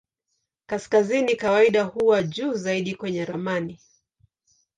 Kaskazini kawaida huwa juu zaidi kwenye ramani.